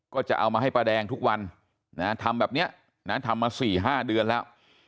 ก็จะเอามาให้ป้าแดงทุกวันทำแบบนี้นะทำมา๔๕เดือนแล้ว